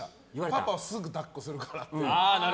パパ、すぐ抱っこするからって。